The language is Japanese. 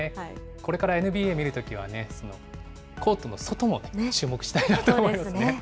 これからＮＢＡ見るときはね、コートの外も注目したいなと思いますね。